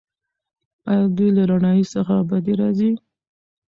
ایا دوی له رڼایي څخه بدې راځي؟